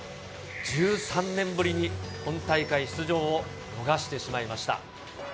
１３年ぶりに本大会出場を逃してしまいました。